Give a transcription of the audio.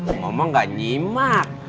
emak emak enggak nyima